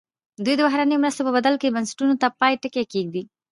دوی د بهرنیو مرستو په بدل کې بنسټونو ته پای ټکی کېږدي.